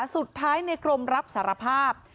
สุดท้ายในกรมรับสารภาพ